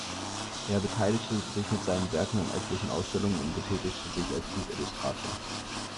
Er beteiligte sich mit seinen Werken an etlichen Ausstellungen und betätigte sich als Buchillustrator.